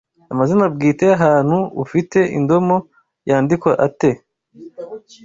Amazina bwite y’ahantu afite indomo yandikwa ate T